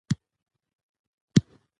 دا ټول د ملالې د يوې لنډۍ په برکت وشول.